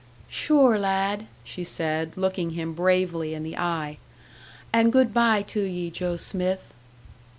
"Sure lad," she said, looking him bravely in the eye, "and good bye to ye, Joe Smith."